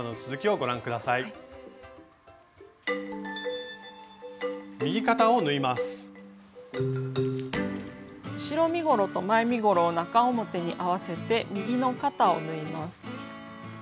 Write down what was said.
後ろ身ごろと前身ごろを中表に合わせて右の肩を縫います。